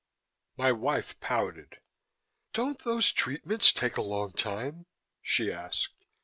My wife pouted. "Don't these treatments take a long time?" she asked.